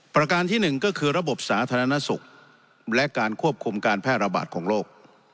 ประการที่๑ก็คือระบบสาธารณสุขและการควบคุมการแพร่ระบาดของโรค